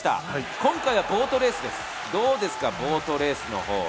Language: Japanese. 今回はボートレースです、どうですかボートレースの方は？